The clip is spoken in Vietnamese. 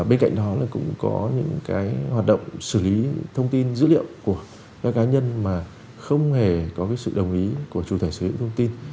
bên cạnh đó cũng có những hoạt động xử lý thông tin dữ liệu của các cá nhân mà không hề có sự đồng ý của chủ thể xử lý thông tin